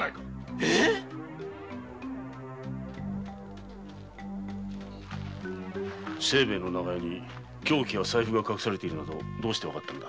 ええっ⁉長屋に凶器や財布が隠されているとどうしてわかったのだ？